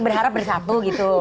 berharap bersatu gitu